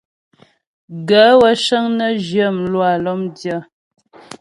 Gaə̂ wə́ cə́ŋ nə́ zhyə mlwâ lɔ́mdyə́.